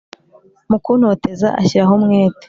mukuntoteza ashyiraho umwete